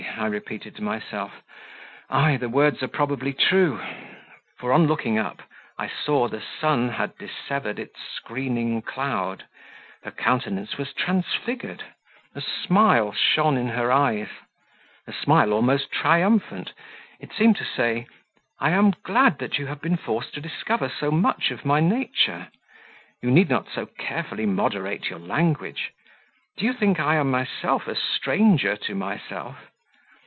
I repeated to myself; "ay, the words are probably true," for on looking up, I saw the sun had dissevered its screening cloud, her countenance was transfigured, a smile shone in her eyes a smile almost triumphant; it seemed to say "I am glad you have been forced to discover so much of my nature; you need not so carefully moderate your language. Do you think I am myself a stranger to myself?